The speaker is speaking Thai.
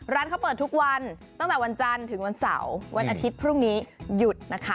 ร้านเขาเปิดทุกวันตั้งแต่วันจันทร์ถึงวันเสาร์วันอาทิตย์พรุ่งนี้หยุดนะคะ